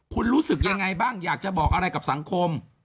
คุณรู้สึกยังไงบ้างอยากจะบอกอะไรกับสังคม